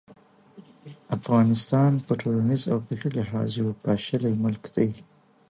افغانستان په ټولنیز او فکري لحاظ یو پاشلی ملک دی.